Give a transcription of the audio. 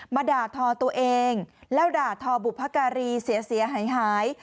มาด่าทอตัวเองแล้วด่าทอบุพการีเสียหาย